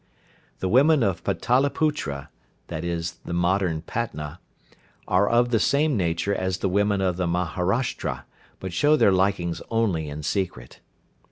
The women of Pataliputra (i.e., the modern Patna) are of the same nature as the women of the Maharashtra, but show their likings only in secret.